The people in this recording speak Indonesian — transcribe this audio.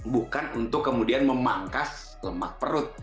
bukan untuk kemudian memangkas lemak perut